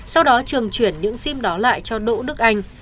sau đó trường chuyển những sim đó lại cho đỗ đức anh